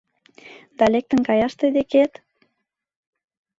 Да лектын каяш тый декет?